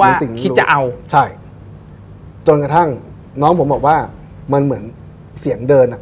ว่าสิ่งคิดจะเอาใช่จนกระทั่งน้องผมบอกว่ามันเหมือนเสียงเดินอ่ะ